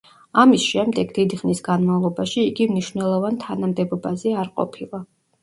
ამის შემდეგ დიდი ხნის განმავლობაში იგი მნიშვნელოვან თანამდებობაზე არ ყოფილა.